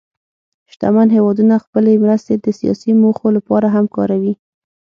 شتمن هېوادونه خپلې مرستې د سیاسي موخو لپاره هم کاروي.